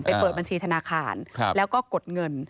เปิดบัญชีธนาคารแล้วก็กดเงิน